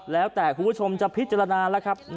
แล้วแต่คุณผู้ชมจะพิจารณาแล้วครับ